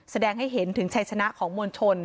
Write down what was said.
แสดงให้เห็นถึงชัยชนะของมวลชน